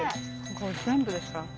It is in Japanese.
これ全部ですか？